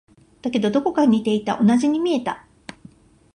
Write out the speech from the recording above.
だけど、どこか似ていた。同じに見えた。